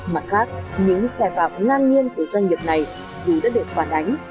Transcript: mặt khác những xe phạm ngang nhiên của doanh nghiệp này dù đã được phản ánh